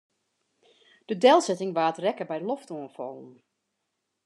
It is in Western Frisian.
De delsetting waard rekke by loftoanfallen.